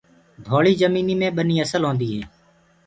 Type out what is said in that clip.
ڍوݪي جميني مي ٻني اسل هوندي هي۔